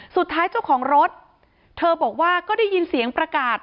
เจ้าของรถเธอบอกว่าก็ได้ยินเสียงประกาศ